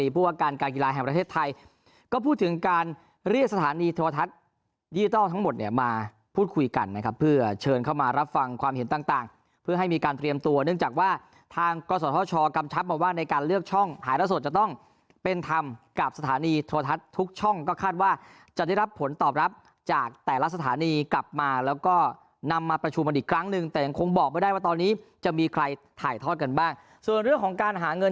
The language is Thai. พูดถึงการเรียกสถานีโทรทัศน์ดิจิทัลทั้งหมดเนี่ยมาพูดคุยกันนะครับเพื่อเชิญเข้ามารับฟังความเห็นต่างเพื่อให้มีการเตรียมตัวเนื่องจากว่าทางกษทชกำชับมาว่าในการเลือกช่องหายละสดจะต้องเป็นธรรมกับสถานีโทรทัศน์ทุกช่องก็คาดว่าจะได้รับผลตอบรับจากแต่ละสถานีกลับมาแล้วก็นำมา